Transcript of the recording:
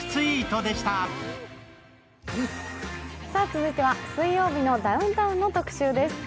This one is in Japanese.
続いては「水曜日のダウンタウン」の特集です。